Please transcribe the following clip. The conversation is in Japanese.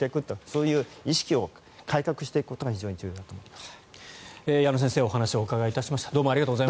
そういう意識を改革していくことが重要だと思います。